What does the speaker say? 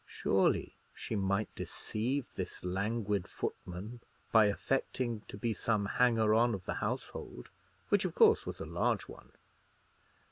Surely she might deceive this languid footman by affecting to be some hanger on of the household, which of course was a large one.